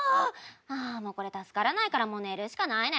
ああもうこれ助からないからもう寝るしかないね。